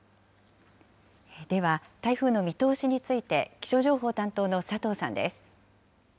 では、台風の見通しについて、気象情報担当の佐藤さんです。